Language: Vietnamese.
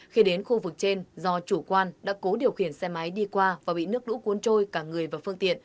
khi đến khu vực trên do chủ quan đã cố điều khiển xe máy đi qua và bị nước lũ cuốn trôi cả người và phương tiện